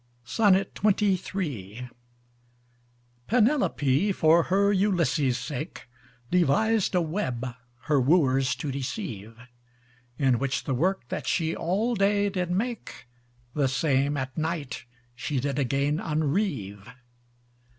XXIII Penelope for her Ulysses' sake, Devised a web her wooers to deceive; In which the work that she all day did make The same at night she did again unreave.